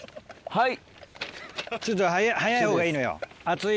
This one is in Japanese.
はい！